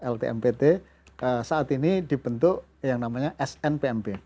ltmpt saat ini dibentuk yang namanya snpmp